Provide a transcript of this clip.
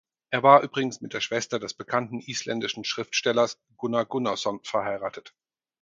Er war übrigens mit der Schwester des bekannten isländischen Schriftstellers Gunnar Gunnarsson verheiratet.